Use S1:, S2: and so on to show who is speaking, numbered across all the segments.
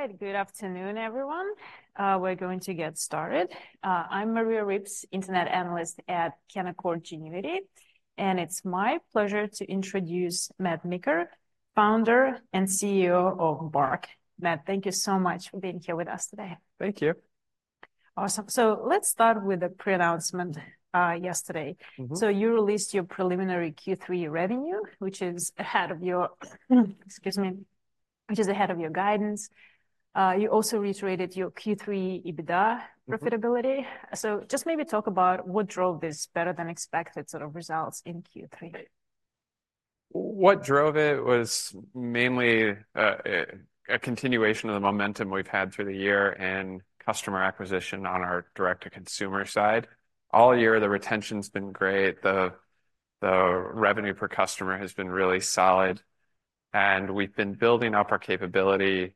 S1: All right. Good afternoon, everyone. We're going to get started. I'm Maria Ripps, Internet analyst at Canaccord Genuity, and it's my pleasure to introduce Matt Meeker, founder and CEO of BARK. Matt, thank you so much for being here with us today.
S2: Thank you.
S1: Awesome. Let's start with the pre-announcement, yesterday.
S2: Mm-hmm.
S1: So you released your preliminary Q3 revenue, which is ahead of your, excuse me, which is ahead of your guidance. You also reiterated your Q3 EBITDA profitability.
S2: Mm-hmm.
S1: So just maybe talk about what drove this better than expected sort of results in Q3.
S2: What drove it was mainly a continuation of the momentum we've had through the year and customer acquisition on our direct-to-consumer side. All year, the retention's been great. The revenue per customer has been really solid, and we've been building up our capability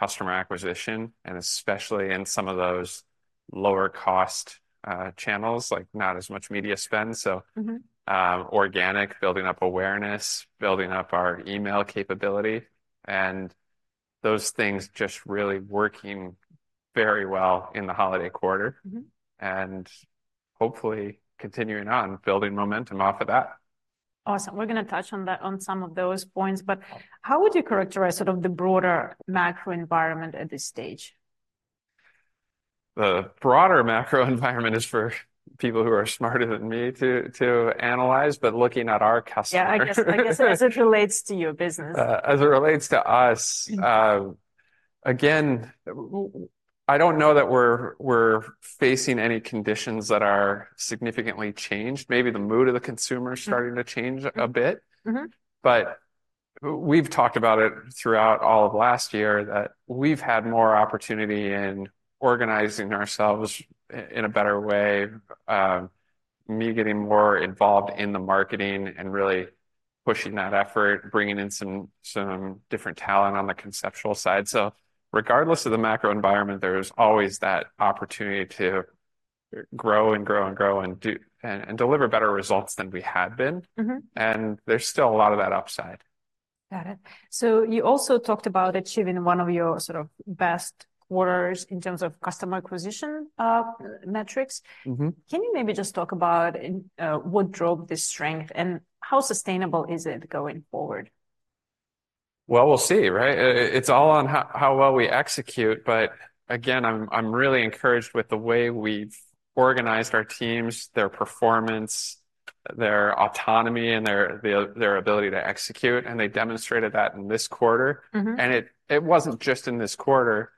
S2: in customer acquisition, and especially in some of those lower-cost channels, like not as much media spend, so-
S1: Mm-hmm
S2: Organic, building up awareness, building up our email capability, and those things just really working very well in the holiday quarter.
S1: Mm-hmm.
S2: Hopefully continuing on building momentum off of that.
S1: Awesome. We're going to touch on that, on some of those points, but-
S2: Okay
S1: How would you characterize sort of the broader macro environment at this stage?
S2: The broader macro environment is for people who are smarter than me to analyze, but looking at our customers.
S1: Yeah, I guess, I guess as it relates to your business.
S2: As it relates to us-
S1: Mm-hmm
S2: Again, I don't know that we're, we're facing any conditions that are significantly changed. Maybe the mood of the consumer-
S1: Mm-hmm
S2: Starting to change a bit.
S1: Mm-hmm.
S2: But we've talked about it throughout all of last year, that we've had more opportunity in organizing ourselves in a better way. Me getting more involved in the marketing and really pushing that effort, bringing in some different talent on the conceptual side. So regardless of the macro environment, there's always that opportunity to grow and grow and grow, and and deliver better results than we had been.
S1: Mm-hmm.
S2: There's still a lot of that upside.
S1: Got it. So you also talked about achieving one of your sort of best quarters in terms of customer acquisition, metrics.
S2: Mm-hmm.
S1: Can you maybe just talk about what drove this strength, and how sustainable is it going forward?
S2: Well, we'll see, right? It's all on how well we execute. But again, I'm really encouraged with the way we've organized our teams, their performance, their autonomy, and their ability to execute, and they demonstrated that in this quarter.
S1: Mm-hmm.
S2: And it, it wasn't just in this quarter.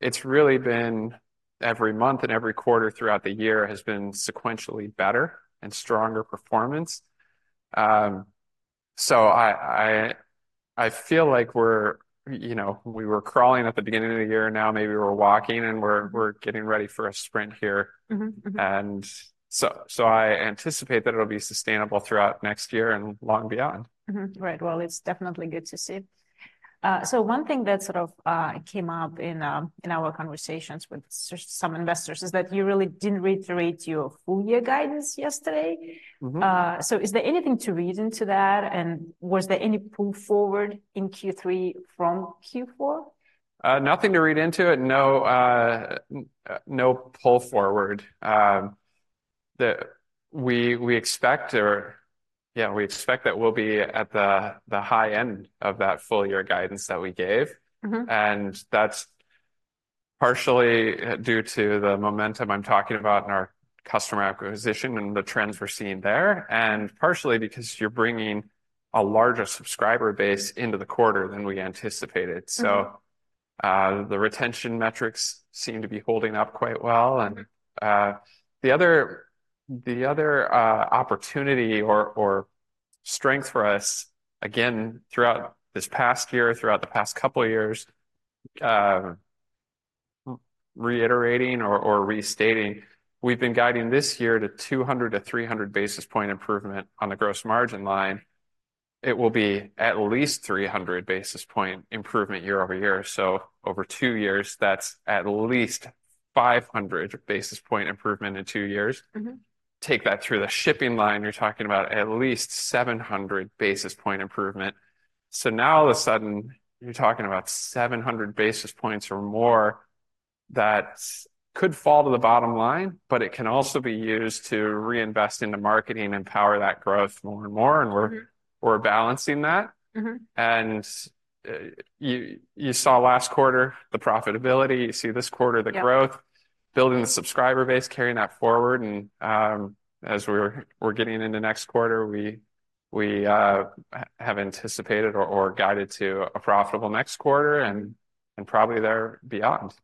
S2: It's really been every month and every quarter throughout the year has been sequentially better and stronger performance. So I feel like we're... You know, we were crawling at the beginning of the year, now maybe we're walking, and we're getting ready for a sprint here.
S1: Mm-hmm, mm-hmm.
S2: And so, I anticipate that it'll be sustainable throughout next year and long beyond.
S1: Mm-hmm. Right. Well, it's definitely good to see. So one thing that sort of came up in our conversations with some investors is that you really didn't reiterate your full year guidance yesterday.
S2: Mm-hmm.
S1: Is there anything to read into that, and was there any pull forward in Q3 from Q4?
S2: Nothing to read into it. No, no pull forward. Yeah, we expect that we'll be at the high end of that full year guidance that we gave.
S1: Mm-hmm.
S2: That's partially due to the momentum I'm talking about in our customer acquisition and the trends we're seeing there, and partially because you're bringing a larger subscriber base into the quarter than we anticipated.
S1: Mm-hmm.
S2: So, the retention metrics seem to be holding up quite well, and, the other opportunity or strength for us, again, throughout this past year, throughout the past couple of years, reiterating or restating, we've been guiding this year to 200-300 basis point improvement on the gross margin line. It will be at least 300 basis point improvement year-over-year. So over two years, that's at least 500 basis point improvement in two years.
S1: Mm-hmm.
S2: Take that through the shipping line, you're talking about at least 700 basis point improvement. So now all of a sudden, you're talking about 700 basis points or more that could fall to the bottom line, but it can also be used to reinvest into marketing and power that growth more and more, and we're-
S1: Mm-hmm
S2: We're balancing that.
S1: Mm-hmm.
S2: You saw last quarter, the profitability. You see this quarter, the growth-
S1: Yeah
S2: Building the subscriber base, carrying that forward. And, as we're getting into next quarter, we have anticipated or guided to a profitable next quarter and probably there beyond.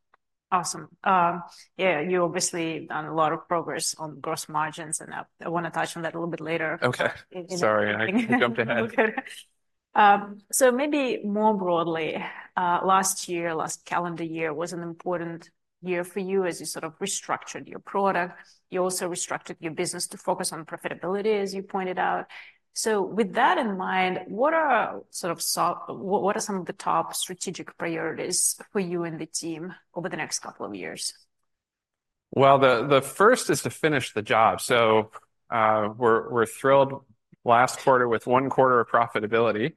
S1: Awesome. Yeah, you obviously done a lot of progress on gross margins, and I want to touch on that a little bit later.
S2: Okay.
S1: In, in-
S2: Sorry, I jumped ahead.
S1: Okay. So maybe more broadly, last year, last calendar year, was an important year for you as you sort of restructured your product. You also restructured your business to focus on profitability, as you pointed out. So with that in mind, what are some of the top strategic priorities for you and the team over the next couple of years?
S2: Well, the first is to finish the job. So, we're thrilled, last quarter, with one quarter of profitability.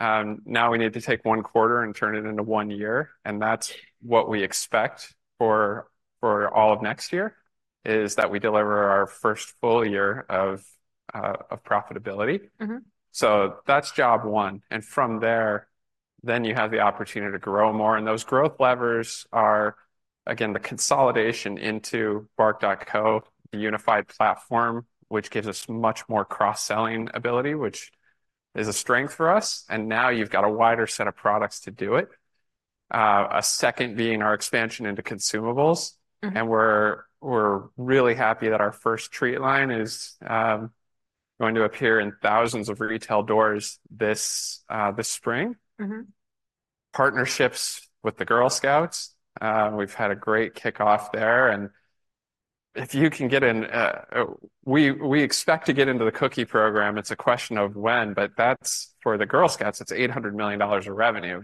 S2: Now we need to take one quarter and churn it into one year, and that's what we expect for all of next year, is that we deliver our first full year of profitability.
S1: Mm-hmm.
S2: That's job one, and from there, then you have the opportunity to grow more, and those growth levers are, again, the consolidation into Bark.co, the unified platform, which gives us much more cross-selling ability, which is a strength for us. And now you've got a wider set of products to do it. A second being our expansion into consumables.
S1: Mm-hmm.
S2: We're really happy that our first treat line is going to appear in thousands of retail doors this spring.
S1: Mm-hmm.
S2: Partnerships with the Girl Scouts, we've had a great kickoff there, and if you can get in... We, we expect to get into the cookie program. It's a question of when, but that's, for the Girl Scouts, it's $800 million of revenue.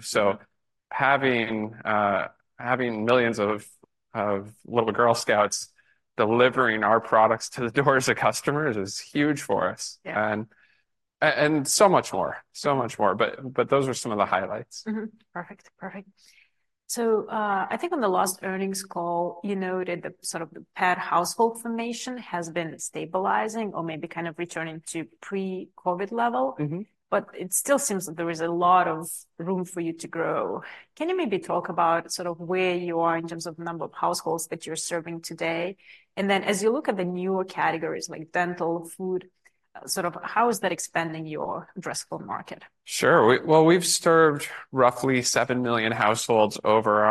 S1: Yeah.
S2: So having millions of little Girl Scouts delivering our products to the doors of customers is huge for us.
S1: Yeah.
S2: And so much more, but those are some of the highlights.
S1: Mm-hmm. Perfect. Perfect. So, I think on the last earnings call, you noted sort of the pet household formation has been stabilizing or maybe kind of returning to pre-COVID level.
S2: Mm-hmm.
S1: But it still seems that there is a lot of room for you to grow. Can you maybe talk about sort of where you are in terms of number of households that you're serving today? And then, as you look at the newer categories, like dental, food, sort of how is that expanding your addressable market?
S2: Sure. Well, we've served roughly 7 million households over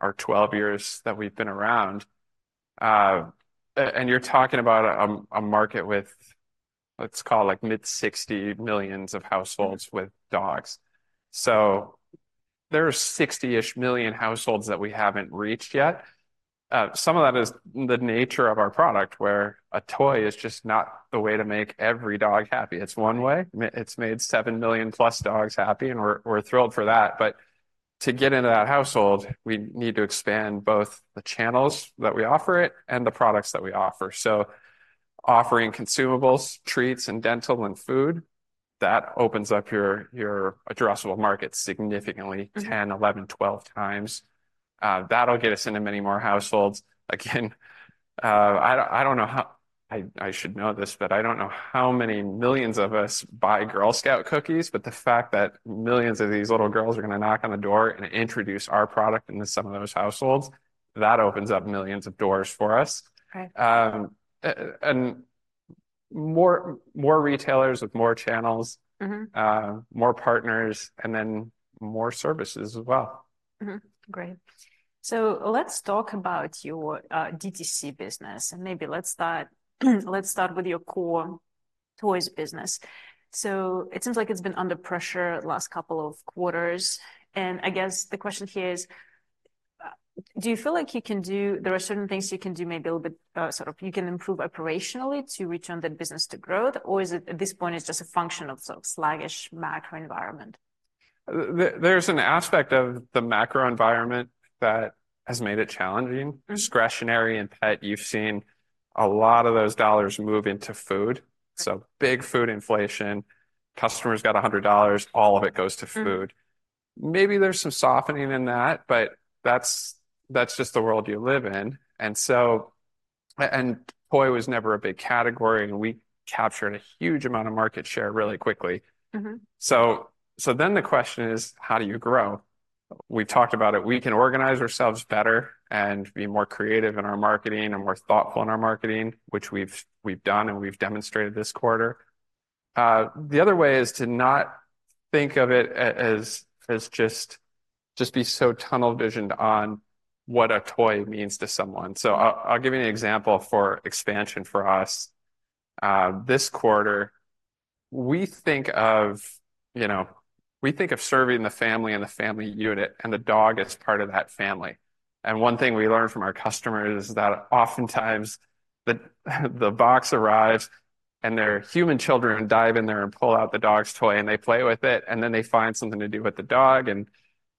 S2: our 12 years that we've been around. And you're talking about a market with, let's call it, like mid-60 million households-
S1: Mm
S2: With dogs. So there are 60-ish million households that we haven't reached yet. Some of that is the nature of our product, where a toy is just not the way to make every dog happy. It's one way. It's made 7 million+ dogs happy, and we're, we're thrilled for that, but to get into that household, we need to expand both the channels that we offer it and the products that we offer. So offering consumables, treats, and dental, and food, that opens up your, your addressable market significantly-
S1: Mm-hmm
S2: 10, 11, 12 times. That'll get us into many more households. Again, I don't know how—I should know this, but I don't know how many millions of us buy Girl Scout cookies, but the fact that millions of these little girls are gonna knock on the door and introduce our product into some of those households, that opens up millions of doors for us.
S1: Right.
S2: and more, more retailers with more channels-
S1: Mm-hmm
S2: More partners, and then more services as well.
S1: Mm-hmm. Great. So let's talk about your DTC business, and maybe let's start with your core toys business. So it seems like it's been under pressure the last couple of quarters, and I guess the question here is: do you feel like there are certain things you can do maybe a little bit, sort of you can improve operationally to return that business to growth? Or is it, at this point, just a function of sort of sluggish macro environment?
S2: There's an aspect of the macro environment that has made it challenging.
S1: Mm.
S2: Discretionary and pet, you've seen a lot of those dollars move into food.
S1: Right.
S2: Big food inflation. Customer's got $100, all of it goes to food.
S1: Mm.
S2: Maybe there's some softening in that, but that's, that's just the world you live in. And so, and toy was never a big category, and we captured a huge amount of market share really quickly.
S1: Mm-hmm.
S2: So then the question is: How do you grow? We've talked about it. We can organize ourselves better and be more creative in our marketing and more thoughtful in our marketing, which we've done, and we've demonstrated this quarter. The other way is to not think of it as just be so tunnel-visioned on what a toy means to someone. So I'll give you an example for expansion for us. This quarter, we think of, you know, we think of serving the family and the family unit, and the dog is part of that family. One thing we learned from our customers is that oftentimes the box arrives, and their human children dive in there and pull out the dog's toy, and they play with it, and then they find something to do with the dog, and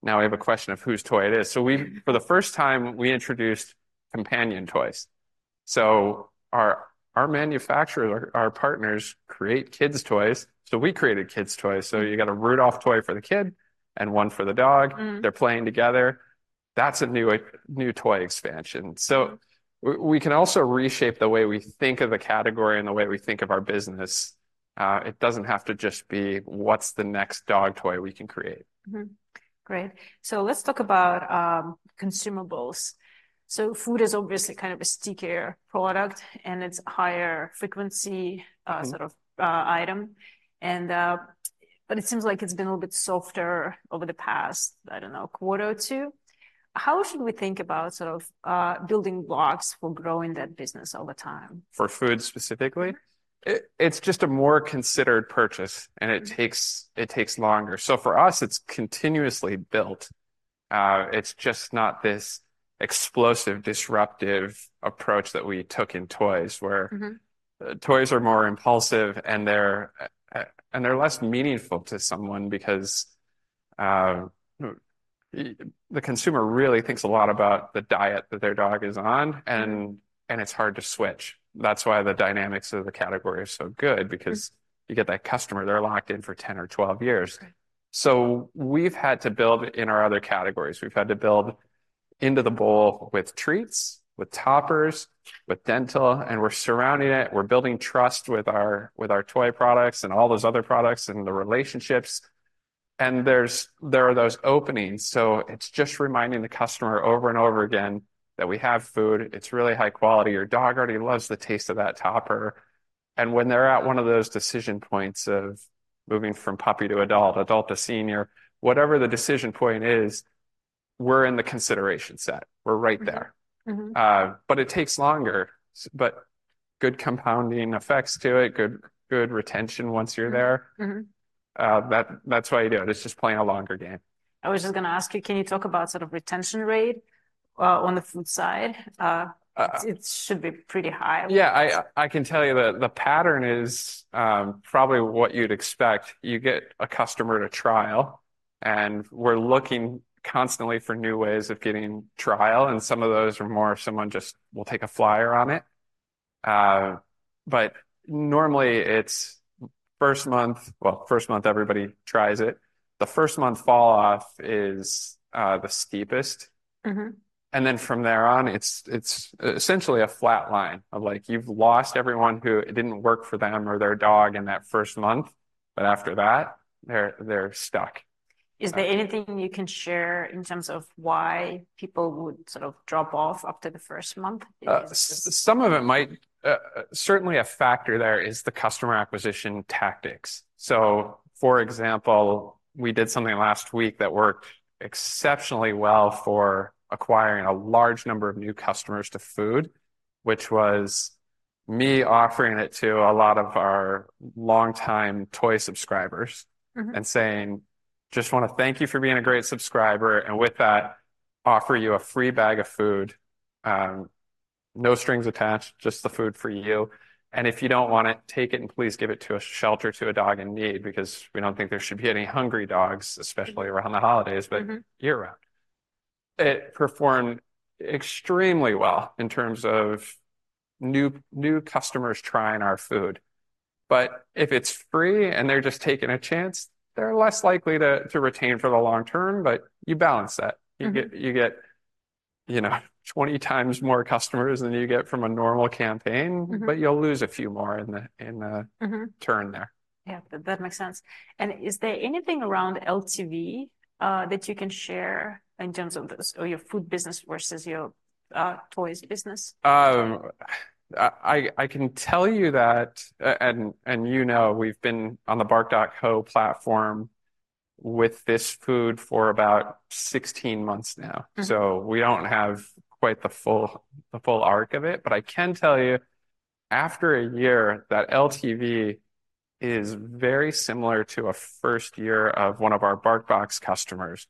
S2: now we have a question of whose toy it is. So we-
S1: Mm.
S2: For the first time, we introduced companion toys. So our manufacturer, our partners create kids' toys, so we created kids' toys. So you got a Rudolph toy for the kid and one for the dog.
S1: Mm.
S2: They're playing together. That's a new toy expansion. So we can also reshape the way we think of a category and the way we think of our business. It doesn't have to just be: What's the next dog toy we can create?
S1: Mm-hmm. Great. So let's talk about consumables. So food is obviously kind of a stickier product, and it's higher-frequency,
S2: Mm
S1: Sort of item. But it seems like it's been a little bit softer over the past, I don't know, quarter or two. How should we think about sort of building blocks for growing that business over time?
S2: For food specifically? It's just a more considered purchase, and it-
S1: Mm
S2: Takes, it takes longer. So for us, it's continuously built. It's just not this explosive, disruptive approach that we took in toys, where-
S1: Mm-hmm
S2: Toys are more impulsive, and they're less meaningful to someone because the consumer really thinks a lot about the diet that their dog is on, and it's hard to switch. That's why the dynamics of the category are so good, because-
S1: Mm
S2: You get that customer, they're locked in for 10 or 12 years.
S1: Right.
S2: So we've had to build in our other categories. We've had to build into the bowl with treats, with toppers, with dental, and we're surrounding it. We're building trust with our, with our toy products and all those other products and the relationships, and there's- there are those openings. So it's just reminding the customer over and over again that we have food, it's really high quality. Your dog already loves the taste of that topper. And when they're at one of those decision points of moving from puppy to adult, adult to senior, whatever the decision point is, we're in the consideration set. We're right there.
S1: Mm-hmm. Mm-hmm.
S2: But it takes longer, but good compounding effects to it, good, good retention once you're there.
S1: Mm-hmm. Mm-hmm.
S2: That's why you do it. It's just playing a longer game.
S1: I was just gonna ask you, can you talk about sort of retention rate on the food side?
S2: Uh-
S1: It should be pretty high.
S2: Yeah, I can tell you that the pattern is probably what you'd expect. You get a customer to trial, and we're looking constantly for new ways of getting trial, and some of those are more if someone just will take a flyer on it. But normally it's first month... Well, first month, everybody tries it. The first-month fall-off is the steepest.
S1: Mm-hmm.
S2: And then from there on, it's essentially a flat line of, like, you've lost everyone who it didn't work for them or their dog in that first month, but after that, they're stuck.
S1: Is there anything you can share in terms of why people would sort of drop off after the first month? Is s-
S2: Some of it might... Certainly, a factor there is the customer acquisition tactics. So, for example, we did something last week that worked exceptionally well for acquiring a large number of new customers to food, which was me offering it to a lot of our longtime toy subscribers-
S1: Mm-hmm
S2: And saying: "Just want to thank you for being a great subscriber, and with that, offer you a free bag of food. No strings attached, just the food for you. And if you don't want it, take it and please give it to a shelter, to a dog in need, because we don't think there should be any hungry dogs, especially around the holidays-
S1: Mm-hmm
S2: But year-round. It performed extremely well in terms of new customers trying our food. But if it's free and they're just taking a chance, they're less likely to retain for the long term, but you balance that.
S1: Mm-hmm.
S2: You get, you get, you know, 20 times more customers than you get from a normal campaign-
S1: Mm-hmm
S2: But you'll lose a few more in the—
S1: Mm-hmm
S2: Turn there.
S1: Yeah, that makes sense. And is there anything around LTV that you can share in terms of this, or your food business versus your toys business?
S2: I can tell you that, and you know, we've been on the Bark.co platform with this food for about 16 months now.
S1: Mm.
S2: So we don't have quite the full arc of it. But I can tell you, after a year, that LTV is very similar to a first year of one of our BarkBox customers.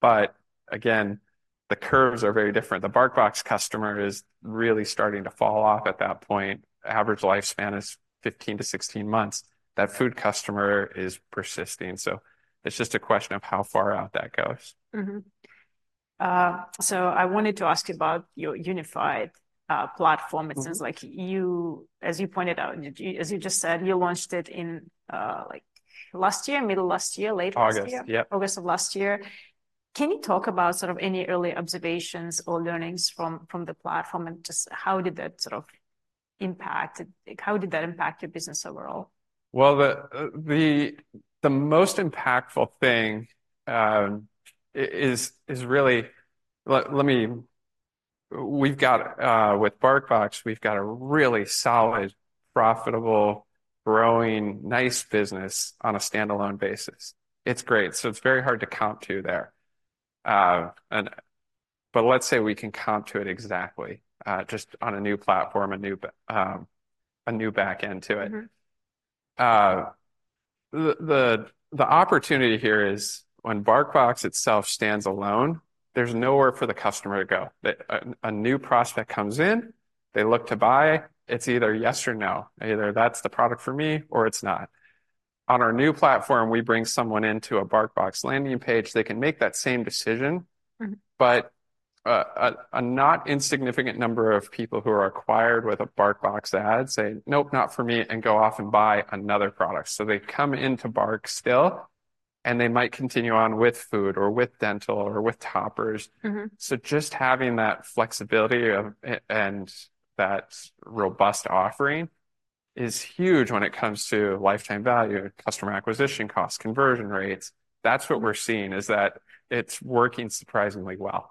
S2: But again, the curves are very different. The BarkBox customer is really starting to fall off at that point. Average lifespan is 15-16 months. That food customer is persisting, so it's just a question of how far out that goes.
S1: Mm-hmm. So I wanted to ask you about your unified platform.
S2: Mm.
S1: It seems like you, as you pointed out, as you just said, you launched it in, like, last year, middle last year, late last year?
S2: August. Yep.
S1: August of last year. Can you talk about sort of any early observations or learnings from the platform, and just how did that sort of impact, like, how did that impact your business overall?
S2: Well, the most impactful thing is really... We've got with BarkBox, we've got a really solid, profitable, growing, nice business on a standalone basis. It's great, so it's very hard to comp to there. And, but let's say we can comp to it exactly, just on a new platform, a new back end to it.
S1: Mm-hmm.
S2: The opportunity here is when BarkBox itself stands alone, there's nowhere for the customer to go. A new prospect comes in, they look to buy, it's either yes or no. Either, "That's the product for me," or, "It's not." On our new platform, we bring someone into a BarkBox landing page, they can make that same decision-
S1: Mm-hmm
S2: But, a not insignificant number of people who are acquired with a BarkBox ad say, "Nope, not for me," and go off and buy another product. So they come in to Bark still, and they might continue on with food or with dental or with toppers.
S1: Mm-hmm.
S2: So just having that flexibility of and that robust offering is huge when it comes to lifetime value, customer acquisition costs, conversion rates. That's what we're seeing, is that it's working surprisingly well.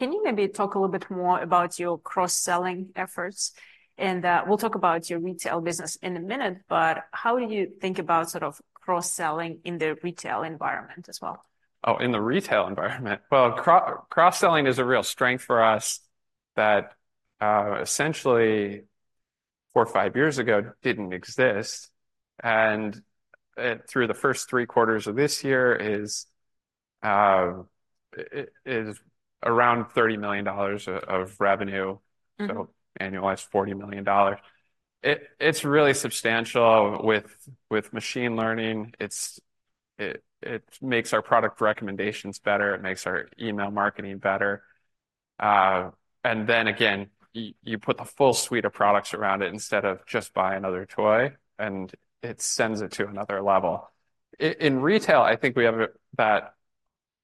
S1: Can you maybe talk a little bit more about your cross-selling efforts? We'll talk about your retail business in a minute, but how do you think about sort of cross-selling in the retail environment as well?
S2: Oh, in the retail environment? Well, cross-selling is a real strength for us that essentially 4 or 5 years ago didn't exist, and through the first 3 quarters of this year is around $30 million of revenue-
S1: Mm-hmm.
S2: So annualized $40 million. It's really substantial with machine learning, it makes our product recommendations better, it makes our email marketing better. And then again, you put the full suite of products around it instead of just buy another toy, and it sends it to another level. In retail, I think we have that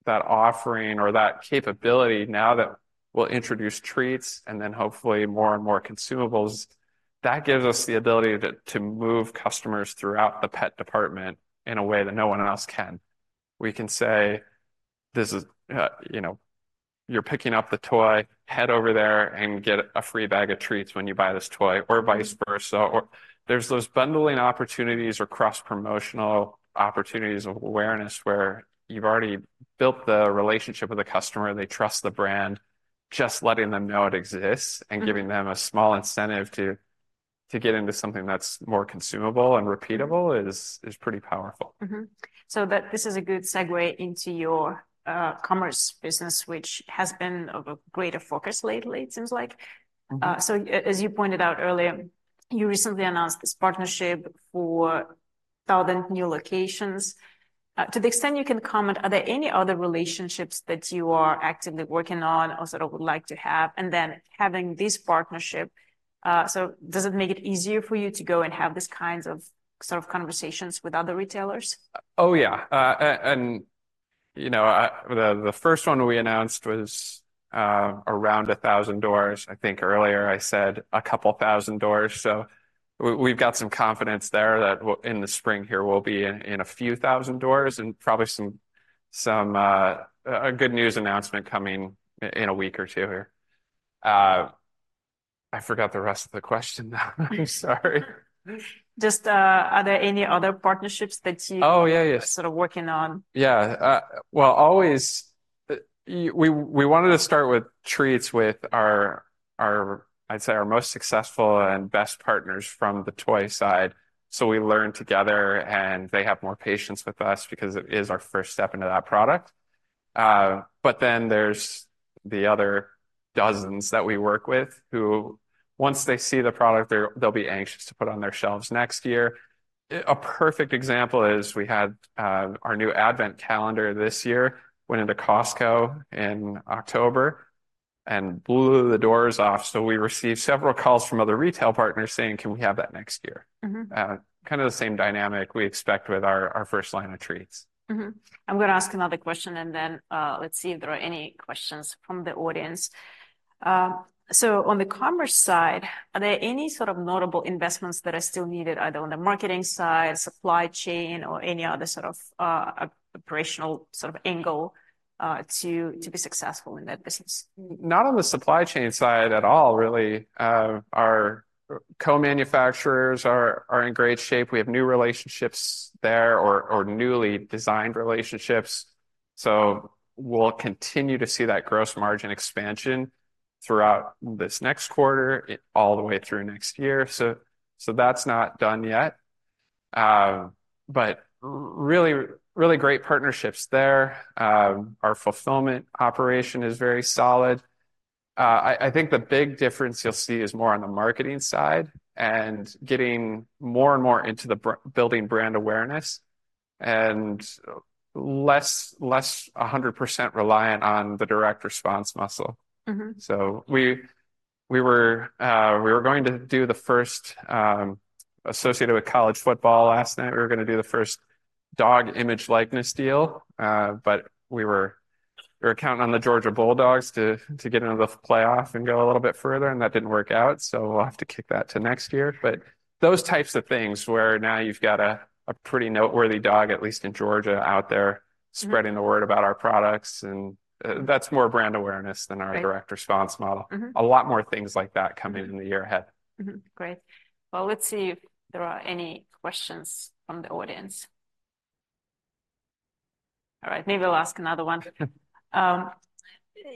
S2: offering or that capability now that we'll introduce treats, and then hopefully more and more consumables. That gives us the ability to move customers throughout the pet department in a way that no one else can. We can say, you know, "You're picking up the toy, head over there and get a free bag of treats when you buy this toy," or vice versa.
S1: Mm-hmm.
S2: There's those bundling opportunities or cross-promotional opportunities of awareness where you've already built the relationship with the customer, they trust the brand. Just letting them know it exists-
S1: Mm-hmm.
S2: Giving them a small incentive to get into something that's more consumable and repeatable is pretty powerful.
S1: Mm-hmm. So that this is a good segue into your commerce business, which has been of a greater focus lately, it seems like.
S2: Mm-hmm.
S1: So as you pointed out earlier, you recently announced this partnership for 1,000 new locations. To the extent you can comment, are there any other relationships that you are actively working on or sort of would like to have? And then having this partnership, so does it make it easier for you to go and have these kinds of sort of conversations with other retailers?
S2: Oh, yeah. And, you know, the first one we announced was around 1,000 doors. I think earlier I said a couple thousand doors. So we've got some confidence there that in the spring here, we'll be in a few thousand doors, and probably some a good news announcement coming in a week or two here. I forgot the rest of the question now. I'm sorry.
S1: Just, are there any other partnerships that you-
S2: Oh, yeah, yeah.
S1: sort of working on?
S2: Yeah. Well, always, we wanted to start with treats with our, our... I'd say, our most successful and best partners from the toy side. So we learn together, and they have more patience with us because it is our first step into that product. But then there's the other dozens that we work with, who, once they see the product, they'll be anxious to put on their shelves next year. A perfect example is, we had our new advent calendar this year, went into Costco in October and blew the doors off. So we received several calls from other retail partners saying, "Can we have that next year?
S1: Mm-hmm.
S2: Kind of the same dynamic we expect with our first line of treats.
S1: Mm-hmm. I'm going to ask another question, and then, let's see if there are any questions from the audience. So on the commerce side, are there any sort of notable investments that are still needed, either on the marketing side, supply chain, or any other sort of operational sort of angle, to be successful in that business?
S2: Not on the supply chain side at all, really. Our co-manufacturers are in great shape. We have new relationships there or newly designed relationships. So we'll continue to see that gross margin expansion throughout this next quarter, all the way through next year. So that's not done yet. But really, really great partnerships there. Our fulfillment operation is very solid. I think the big difference you'll see is more on the marketing side, and getting more and more into building brand awareness, and less 100% reliant on the direct response muscle.
S1: Mm-hmm.
S2: So we were going to do the first associated with college football last night, we were going to do the first dog image likeness deal, but we were counting on the Georgia Bulldogs to get into the playoff and go a little bit further, and that didn't work out, so we'll have to kick that to next year. But those types of things, where now you've got a pretty noteworthy dog, at least in Georgia, out there-
S1: Mm-hmm
S2: Spreading the word about our products, and, that's more brand awareness than-
S1: Right
S2: Our direct response model.
S1: Mm-hmm.
S2: A lot more things like that coming in the year ahead.
S1: Mm-hmm. Great. Well, let's see if there are any questions from the audience. All right, maybe I'll ask another one.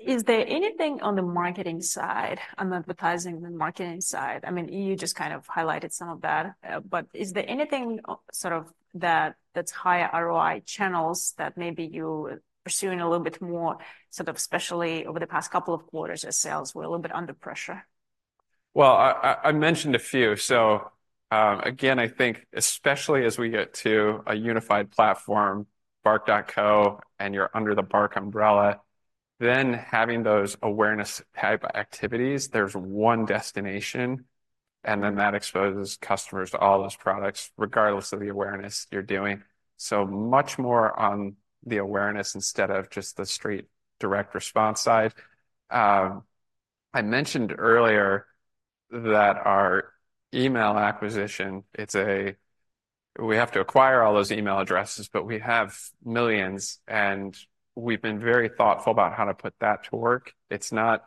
S1: Is there anything on the marketing side, on the advertising and marketing side? I mean, you just kind of highlighted some of that, but is there anything sort of that that's higher ROI channels that maybe you're pursuing a little bit more, sort of especially over the past couple of quarters as sales were a little bit under pressure?
S2: Well, I mentioned a few. So, again, I think, especially as we get to a unified platform, Bark.co, and you're under the Bark umbrella, then having those awareness type activities, there's one destination, and then that exposes customers to all those products, regardless of the awareness you're doing. So much more on the awareness instead of just the straight direct response side. I mentioned earlier that our email acquisition, it's, we have to acquire all those email addresses, but we have millions, and we've been very thoughtful about how to put that to work. It's not,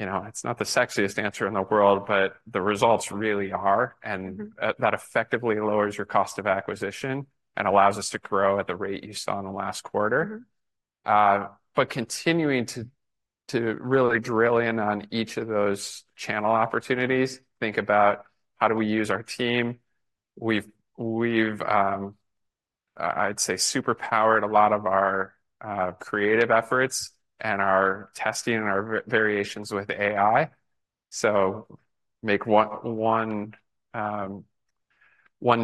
S2: you know, it's not the sexiest answer in the world, but the results really are-
S1: Mm-hmm
S2: And that effectively lowers your cost of acquisition and allows us to grow at the rate you saw in the last quarter.
S1: Mm-hmm.
S2: But continuing to really drill in on each of those channel opportunities, think about how do we use our team? We've super powered a lot of our creative efforts and our testing and our variations with AI. So make one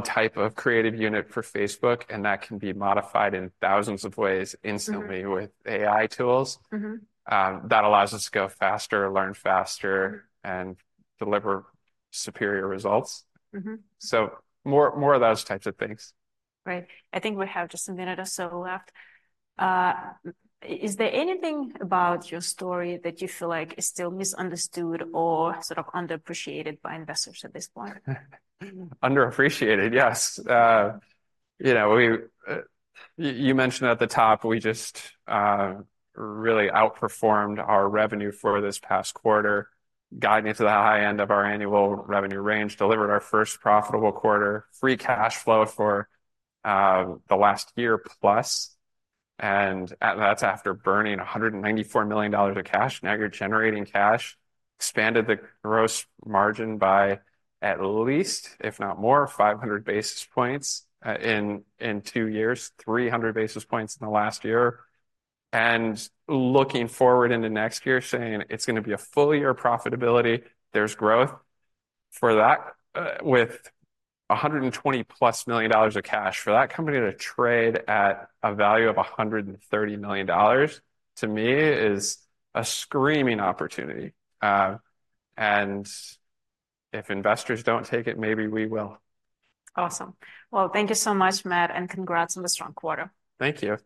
S2: type of creative unit for Facebook, and that can be modified in thousands of ways instantly.
S1: Mm-hmm
S2: With AI tools.
S1: Mm-hmm.
S2: That allows us to go faster, learn faster-
S1: Mm-hmm
S2: And deliver superior results.
S1: Mm-hmm.
S2: So more, more of those types of things.
S1: Right. I think we have just a minute or so left. Is there anything about your story that you feel like is still misunderstood or sort of underappreciated by investors at this point?
S2: Underappreciated, yes. You know, you mentioned at the top, we just really outperformed our revenue for this past quarter, guiding into the high end of our annual revenue range, delivered our first profitable quarter, free cash flow for the last year plus, and that's after burning $194 million of cash. Now you're generating cash, expanded the gross margin by at least, if not more, 500 basis points in two years, 300 basis points in the last year. And looking forward into next year, saying it's gonna be a full year profitability, there's growth. For that, with $120+ million of cash, for that company to trade at a value of $130 million, to me, is a screaming opportunity. If investors don't take it, maybe we will.
S1: Awesome. Well, thank you so much, Matt, and congrats on the strong quarter.
S2: Thank you.